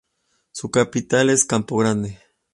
Su capital es Campo Grande.